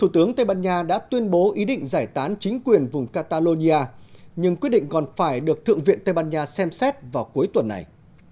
thủ tướng tây ban nha đã tuyên bố ý định giải tán chính quyền vùng catalonia nhưng quyết định còn phải được thượng viện tây ban nha xem xét vào cuối tuần này